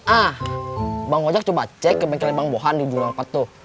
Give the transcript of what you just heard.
ah bang hojak coba cek ke bengkelnya bang bohan di jum'at empat tuh